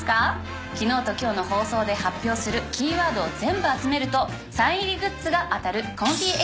昨日と今日の放送で発表するキーワードを全部集めるとサイン入りグッズが当たる。